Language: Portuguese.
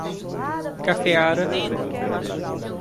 Cafeara